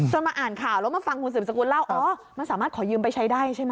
มาอ่านข่าวแล้วมาฟังคุณสืบสกุลเล่าอ๋อมันสามารถขอยืมไปใช้ได้ใช่ไหม